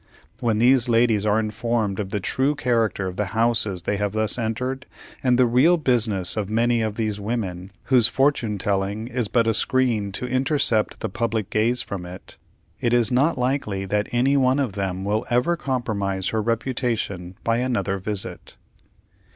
When these ladies are informed of the true character of the houses they have thus entered, and the real business of many of these women whose fortune telling is but a screen to intercept the public gaze from it, it is not likely that any one of them will ever compromise her reputation by another visit.